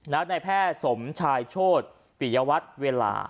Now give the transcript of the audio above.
นายแพทย์สมชายโชธปิยวัตรเวลา